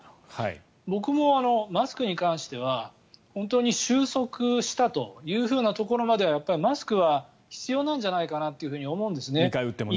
僕もマスクに関しては本当に収束したというところまではマスクは必要なんじゃないかなと思うんですね。